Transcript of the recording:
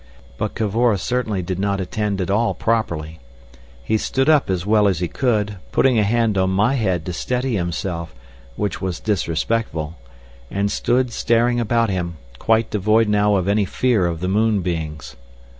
But Cavor certainly did not attend at all properly. He stood up as well as he could, putting a hand on my head to steady himself, which was disrespectful, and stood staring about him, quite devoid now of any fear of the moon beings.